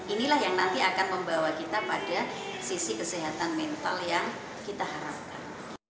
inilah yang nanti akan membawa kita pada sisi kesehatan mental yang kita harapkan